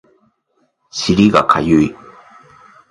尻がかゆい